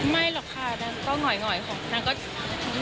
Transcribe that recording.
ไม่หรอกค่ะมันก็หง่อย